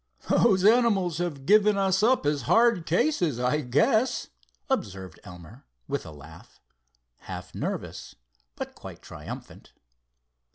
"Those animals have given us up as hard cases, I guess," observed Elmer, with a laugh, half nervous, but quite triumphant.